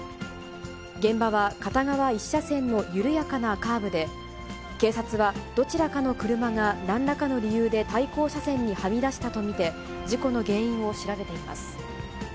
現場は片側１車線の緩やかなカーブで、警察はどちらかの車がなんらかの理由で対向車線にはみ出したと見て、事故の原因を調べています。